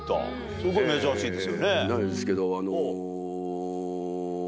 すごい珍しいですよね。